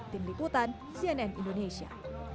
tim liputan cnn indonesia